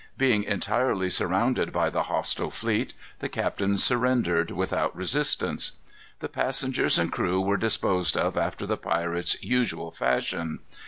Being entirely surrounded by the hostile fleet, the captain surrendered without resistance. The passengers and crew were disposed of after the pirates' usual fashion.